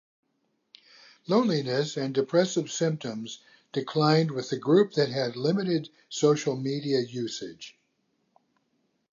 Loneliness and depressive symptoms declined with the group that had limited social media usage.